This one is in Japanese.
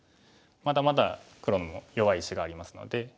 まだまだ黒も弱い石がありますので。